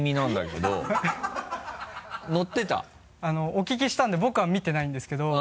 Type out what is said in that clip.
お聞きしたので僕は見てないんですけど。